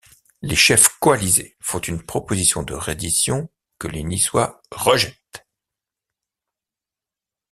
Les chefs coalisés font une proposition de reddition que les Niçois rejettent.